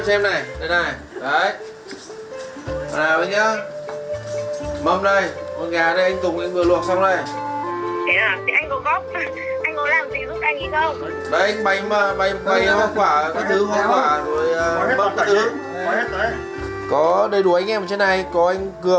em cảm ơn các anh ạ